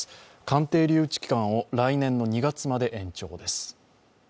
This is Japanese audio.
鑑定留置期間を来年の２月まで延長です。